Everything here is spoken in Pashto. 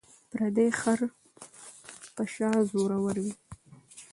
ـ پردى خر په شا زور ور وي.